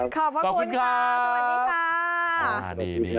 ขอบคุณค่ะสวัสดิค่า